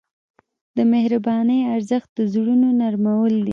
د مهربانۍ ارزښت د زړونو نرمول دي.